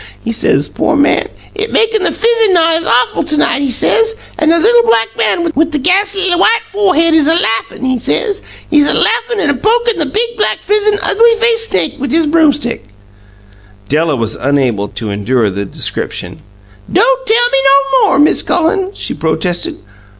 he says, poor man. 'It's makin' the fizzin' n'ise awful to night,' he says. 'An' the little black man wit' the gassly white forehead is a laughin',' he says. 'He's a laughin' an' a pokin' the big, black, fizzin', ugly faced snake wit' his broomstick " Della was unable to endure the description. "Don't tell me no more, Mrs. Cullen!" she protested.